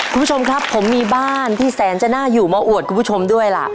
คุณผู้ชมครับผมมีบ้านที่แสนจะน่าอยู่มาอวดคุณผู้ชมด้วยล่ะ